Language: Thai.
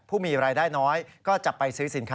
ผู้มีรายได้น้อยก็จะไปซื้อสินค้า